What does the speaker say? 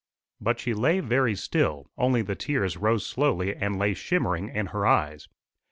But she lay very still; only the tears rose slowly and lay shimmering in her eyes.